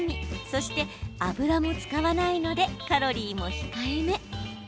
そして油も使わないのでカロリーも控えめ。